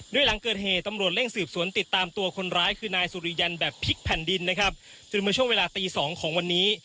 หลังเกิดเหตุตำรวจเร่งสืบสวนติดตามตัวคนร้ายคือนายสุริยันแบบพลิกแผ่นดินนะครับจนเมื่อช่วงเวลาตีสองของวันนี้